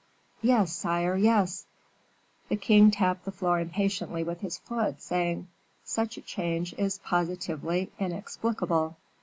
"Yes, sire, yes." The king tapped the floor impatiently with his foot, saying, "Such a change is positively inexplicable."